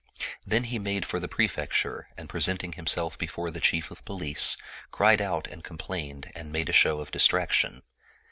Then he made for the Prefecture and pre senting himself before the Chief of Police, cried out and complained and made a show of distraction.